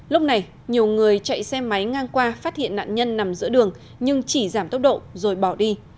lúc này nhiều người chạy xe máy ngang qua phát hiện nạn nhân nằm giữa đường nhưng chỉ giảm tốc độ rồi bỏ đi